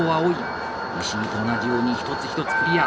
石井と同じように一つ一つクリア。